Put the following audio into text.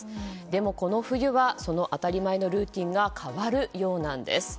でも、この冬はその当たり前のルーティーンが変わるようなんです。